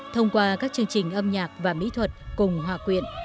thông qua các chương trình âm nhạc và mỹ thuật cùng hòa quyện